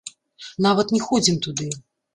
Нават не ходзім туды.